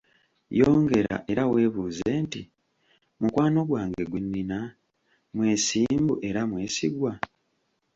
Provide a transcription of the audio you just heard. Yongera era weebuuze nti, mukwano gwange gwennina, mwesimbu era mwesigwa?